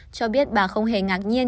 cho biết bà không hề ngạc nhiên